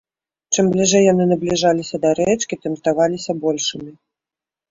Чым бліжэй яны набліжаліся да рэчкі, тым здаваліся большымі.